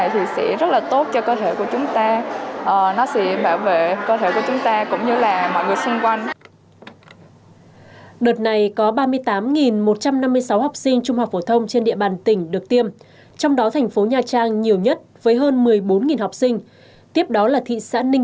trường trung học phổ thông chuyên lê quý đôn thành phố nhà trang công tác tiêm chủng diễn ra từ rất sớm